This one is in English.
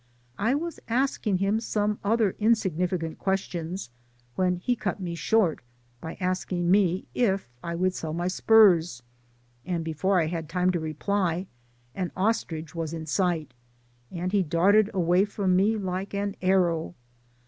I was asking him some other insignificant questions, when he cut me short, by asking me if I would sell my spurs ; and before I had time to reply, an ostrich was in sight, and he darted away from me like an arrow.